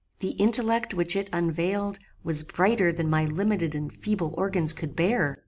The intellect which it unveiled, was brighter than my limited and feeble organs could bear.